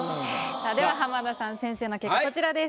さあでは浜田さん先生の結果こちらです。